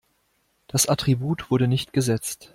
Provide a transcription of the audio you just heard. Das Attribut wurde nicht gesetzt.